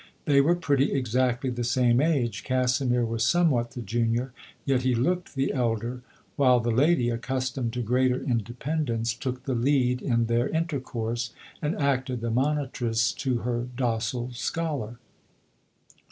They were pretty exactly the same age; Casimir was somewhat the junior, yet he looked the elder, while the lady, accustomed to greater independence, took the lead in their intercourse, and acted the monitress to her docile scholar.